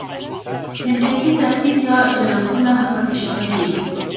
جنسیتي تفکیک یا جلاکونه هم پکې شامل دي.